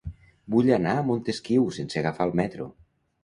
Vull anar a Montesquiu sense agafar el metro.